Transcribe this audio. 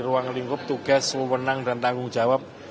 ruang lingkup tugas suwenang dan tanggung jawab